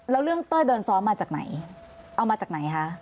แล้วเรื่องเต้ยเดินซ้อมมาจากไหนเอามาจากไหนคะ